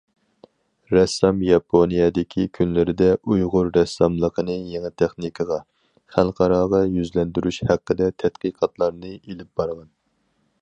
رەسسام ياپونىيەدىكى كۈنلىرىدە ئۇيغۇر رەسساملىقىنى يېڭى تېخنىكىغا، خەلقئاراغا يۈزلەندۈرۈش ھەققىدە تەتقىقاتلارنى ئېلىپ بارغان.